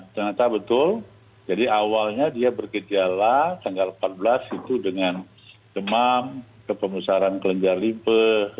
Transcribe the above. ternyata betul jadi awalnya dia bergejala tanggal empat belas itu dengan demam kepemusaran kelenjar limpe